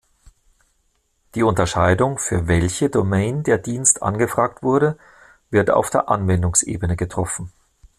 Die Unterscheidung, für welche Domain der Dienst angefragt wurde, wird auf der Anwendungsebene getroffen.